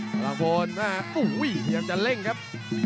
หลับลังโภนอุ้ยยังแต่เล่นครับ